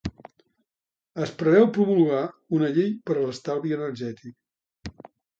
Es preveu promulgar una llei per a l'estalvi energètic.